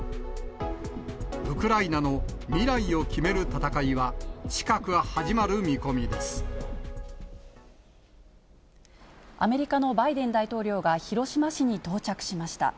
ウクライナの未来を決める戦いは、アメリカのバイデン大統領が広島市に到着しました。